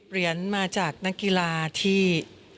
เหรียญมาจากนักกีฬาที่